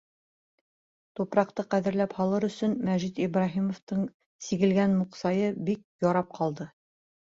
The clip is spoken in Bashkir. Тупраҡты ҡәҙерләп һалыр өсөн Мәжит Ибраһимовтың сигелгән муҡсайы бик ярап ҡалды.